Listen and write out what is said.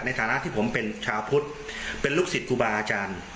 ในฐานะที่ผมเป็นชาวพุทธเป็นลูกศิษย์ครูบาอาจารย์